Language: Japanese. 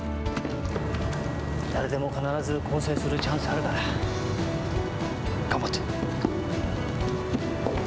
誰でも必ず更生するチャンスあるから。